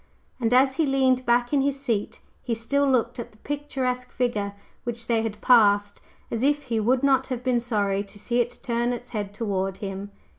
And as he leaned back in his seat, he still looked at the picturesque figure which they had passed, as if he would not have been sorry to see it turn its head toward him.